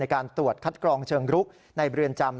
การตรวจคัดกรองเชิงรุกในเรือนจำ